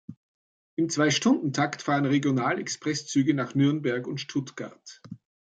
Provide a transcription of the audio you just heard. Im Zweistundentakt fahren Regional-Express-Züge nach Nürnberg und Stuttgart.